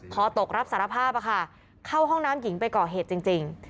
คอตกรับสารภาพเข้าห้องน้ำหญิงไปก่อเหตุจริง